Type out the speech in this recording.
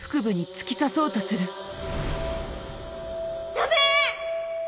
ダメ！